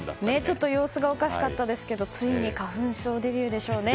ちょっと様子がおかしかったですけどついに花粉症デビューでしょうね。